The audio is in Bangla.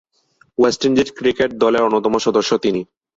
ওয়েস্ট ইন্ডিজ ক্রিকেট দলের অন্যতম সদস্য তিনি।